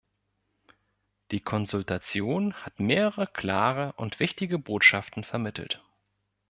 Die Konsultation hat mehrere klare und wichtige Botschaften vermittelt.